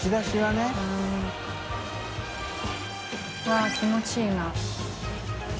わぁ気持ちいいな。